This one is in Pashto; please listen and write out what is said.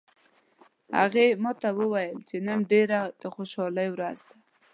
هغې ما ته وویل چې نن ډیره د خوشحالي ورځ ده